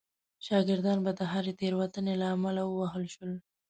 شاګردان به د هرې تېروتنې له امله ووهل شول.